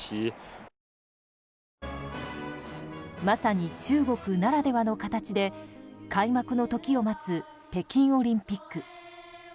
まさに中国ならではの形で開幕の時を待つ北京オリンピック。